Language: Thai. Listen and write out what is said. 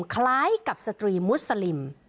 คล้ายกับสตรีมุสลิม